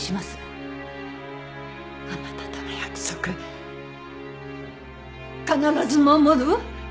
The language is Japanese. あなたとの約束必ず守るわ。